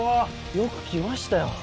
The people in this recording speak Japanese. よく来ましたよ。